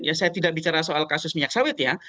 ya saya tidak bicara soal kasus minyak sawit ya